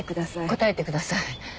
答えてください。